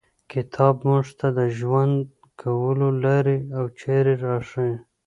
کتاب موږ ته د ژوند کولو لاري او چاري راښیي.